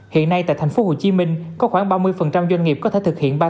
hiện nay tại thành phố hồ chí minh có khoảng ba mươi doanh nghiệp có thể thực hiện ba lần